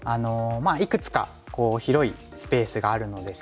まあいくつか広いスペースがあるのですが。